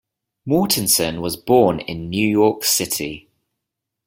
Mortensen was born in New York City.